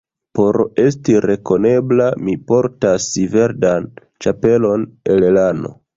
Por esti rekonebla, mi portas verdan ĉapelon el lano.